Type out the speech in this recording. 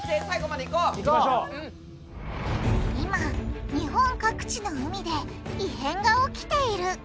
今日本各地の海で異変が起きている！